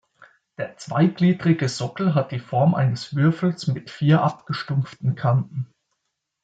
Der zweigliedrige Sockel hat die Form eines Würfels mit vier abgestumpften Kanten.